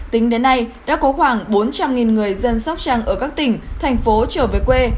tính đến nay đã có khoảng bốn trăm linh người dân sóc trăng ở các tỉnh thành phố trở về quê